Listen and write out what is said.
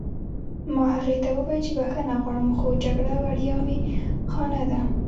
ما هغې ته وویل چې بښنه غواړم خو جګړه وړیا می خانه نه ده